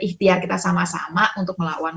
ikhtiar kita sama sama untuk melawan